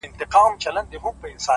د لوی او بخښونکي خدای په نامه